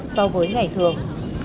so với ngày thường